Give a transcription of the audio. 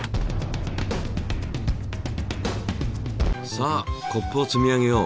さあコップを積み上げよう。